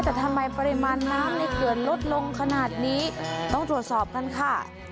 แต่ทำไมปริมาณน้ำในเขื่อนลดลงขนาดนี้ต้องตรวจสอบกันค่ะ